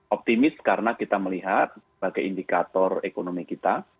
optimis karena kita melihat sebagai indikator ekonomi kita